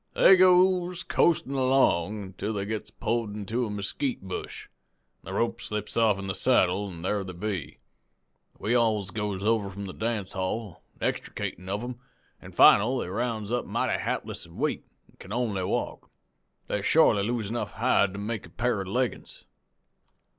"They goes coastin' along ontil they gets pulled into a mesquite bush, an' the rope slips offen the saddle, an' thar they be. We alls goes over from the dance hall, extricatin' of 'em, an' final they rounds up mighty hapless an' weak, an' can only walk. They shorely lose enough hide to make a pair of leggin's.